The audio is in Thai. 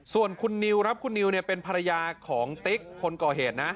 ส่วนคุณนิวครับคุณนิวเป็นภรรยาของติ๊กคนก่อเหตุนะ